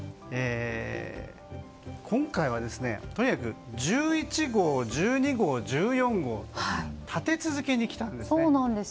今回は、とにかく１１号、１２号、１４号と立て続けに来たんですね。